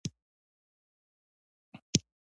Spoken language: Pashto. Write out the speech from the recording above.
نه له ځانه خبر وي نه له دنيا نه!